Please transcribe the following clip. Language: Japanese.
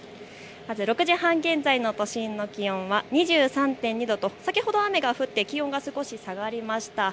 ６時半現在の都心の気温は２３．２度と先ほど雨が降って気温が少し下がりました。